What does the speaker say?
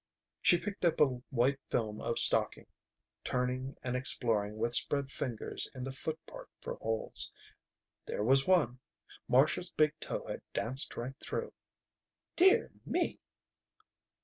She picked up a white film of stocking, turning and exploring with spread fingers in the foot part for holes. There was one! Marcia's big toe had danced right through. "Dear me!"